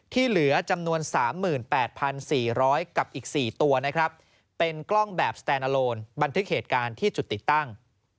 ที่เหลือ๓๘๔๐๐กับอีก๔ตัวเป็นกล้องแบบสแตนอลโลนบันทึกเหตุการณ์ที่จุดติดตั้ง